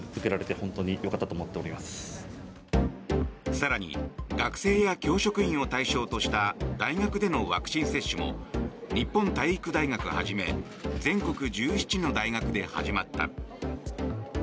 更に学生や教職員を対象とした大学でのワクチン接種も日本体育大学はじめ全国１７の大学で始まった。